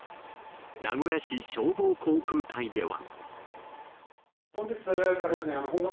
名古屋市消防航空隊では。